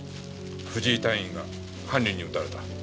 藤井隊員が犯人に撃たれた。